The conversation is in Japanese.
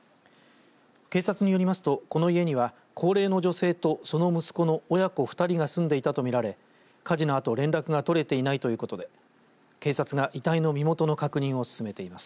警察によりますと、この家には高齢の女性と、その息子の親子２人が住んでいたと見られ火事のあと連絡が取れていないということで警察が遺体の身元の確認を進めています。